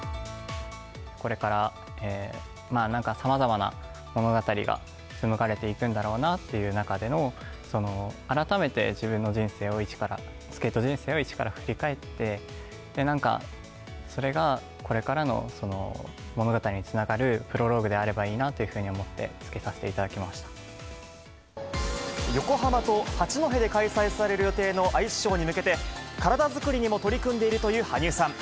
これからなんかさまざまな物語が紡がれていくんだろうなという中での、改めて自分の人生を一から、スケート人生を一から振り返って、なんか、それがこれからの物語につながるプロローグであればいいなというふうに思って、横浜と八戸で開催される予定のアイスショーに向けて、体作りにも取り組んでいるという羽生さん。